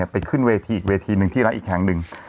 ไปขึ้นเวทีอีกเวทีหนึ่งที่ร้านอีกแห่งหนึ่ง